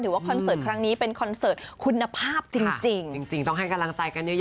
ถือว่าคอนเซิร์ตครั้งนี้เป็นคอนเซิร์ตคุณภาพจริง